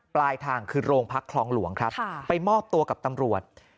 ปลายทางคือโรงพักคลองหลวงครับไปมอบตัวกับตำรวจ